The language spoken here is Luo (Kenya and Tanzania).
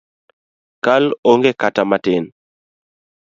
Kal onge kata matin